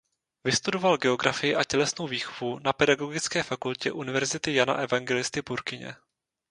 Vystudoval geografii a tělesnou výchovu na Pedagogické fakultě Univerzity Jana Evangelisty Purkyně.